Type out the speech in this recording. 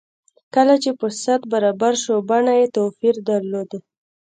کله چې فرصت برابر شو بڼه يې توپير درلود.